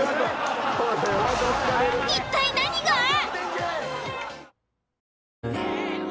一体何が？